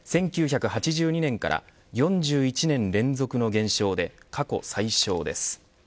１９８２年から４１年連続の減少で過去最小です。